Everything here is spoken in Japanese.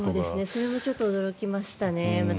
それもちょっと驚きましたね。